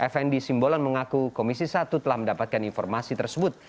fnd simbolon mengaku komisi satu telah mendapatkan informasi tersebut